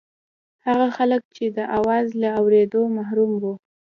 هغه خلک چې د اواز له اورېدو محروم وو.